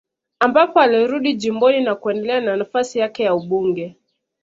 Ambapo alirudi jimboni na kuendelea na nafasi yak ya ubunge